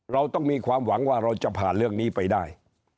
เราต้องมีความหวังว่าเราจะผ่านเรื่องนี้ไปได้